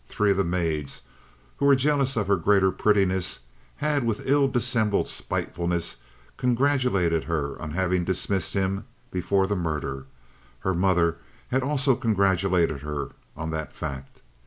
Three of the maids, who were jealous of her greater prettiness, had with ill dissembled spitefulness congratulated her on having dismissed him before the murder; her mother had also congratulated her on that fact.